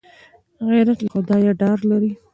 غیرت له خدایه ډار لري